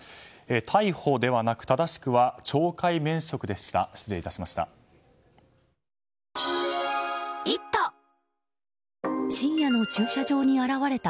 逮捕ではなく正しくは懲戒免職でした。